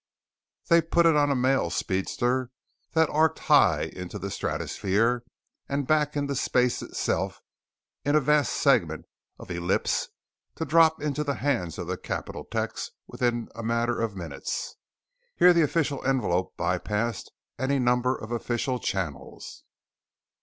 They put it on a mail speedster that arched high into the stratosphere and into black space itself in a vast segment of ellipse to drop into the hands of the Capitol's techs within a matter of minutes. Here the official envelope by passed any number of official channels....